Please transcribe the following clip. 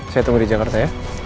saya tunggu di jakarta ya